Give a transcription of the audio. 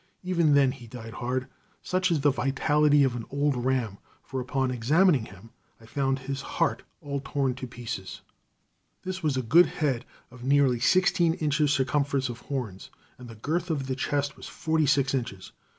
Even then he died hard. Such is the vitality of an old ram; for upon examining him I found his heart all torn to pieces. This was a good head of nearly sixteen inches circumference of horns, and the girth of chest was forty six inches.